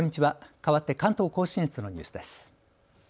かわって関東甲信越のニュースです。